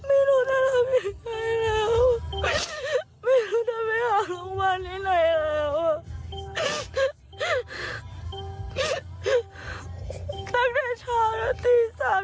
อะไรหรือยัง